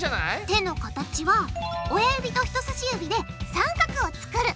手の形は親指と人さし指で三角を作る！